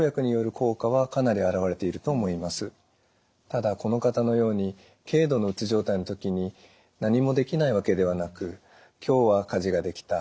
ただこの方のように軽度のうつ状態の時に何もできないわけではなく今日は家事ができた。